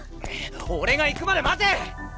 俺が行くまで待て！